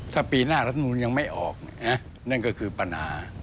ถ้าปีหน้ารัฐนูลยังไม่ออกนั่นก็คือปัญหา